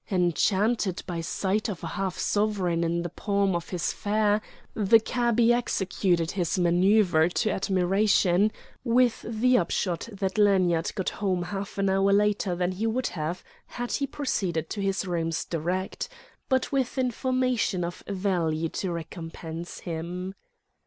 Enchanted by sight of a half sovereign in the palm of his fare, the cabby executed this manoeuvre to admiration; with the upshot that Lanyard got home half an hour later than he would have had he proceeded to his rooms direct, but with information of value to recompense him.